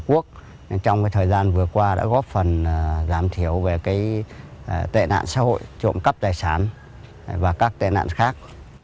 các công chí trong công an xã cũng đã đoàn kết tích cực tham gia tham mưu cho đảng ủy